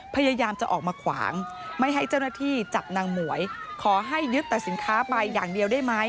พยายามจะออกมาขวางไม่ให้เจ้าหน้าที่จับนางหมวยขอให้ยึดแต่สินค้าไปอย่างเดียวได้ไหม